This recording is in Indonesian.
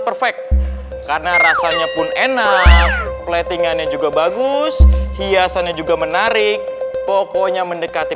perfect karena rasanya pun enak platingannya juga bagus hiasannya juga menarik pokoknya mendekati